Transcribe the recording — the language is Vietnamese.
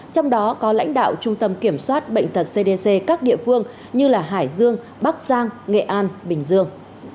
trong đó có lãnh đạo trung tâm kiểm soát bệnh tật cdc các địa phương như hải dương bắc giang nghệ an bình dương